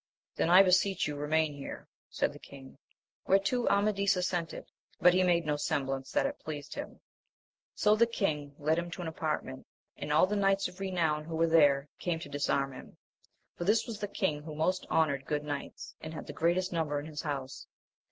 Then I beseech you remain here, said the king ; whereto Amadis assented, but he made no sem blance that it pleased him. So the king led him to an apartment, and all the knights of renown who were there came to disarm him, for this was the king who" most honoured good knights and had the greatest number in his house.